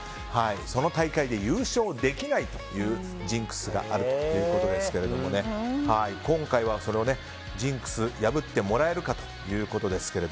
その大会で優勝できないというジンクスがあるということですが今回はそのジンクスを破ってもらえるかと。